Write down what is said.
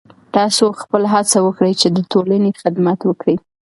تاسو خپله هڅه وکړئ چې د ټولنې خدمت وکړئ.